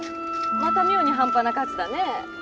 また妙に半端な数だねえ。